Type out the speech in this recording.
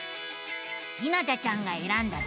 ひなたちゃんがえらんだ